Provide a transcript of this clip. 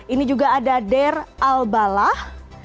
ini juga ada der al balah